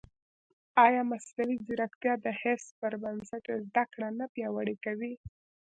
ایا مصنوعي ځیرکتیا د حفظ پر بنسټ زده کړه نه پیاوړې کوي؟